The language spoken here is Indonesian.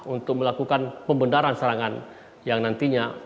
untuk melakukan pembenaran serangan yang nantinya